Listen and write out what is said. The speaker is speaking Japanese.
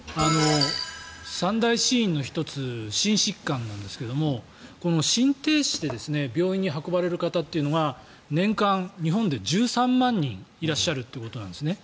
三大死因の１つ心疾患なんですがこの心停止で病院に運ばれる方というのが年間日本で１３万人いらっしゃるということなんです。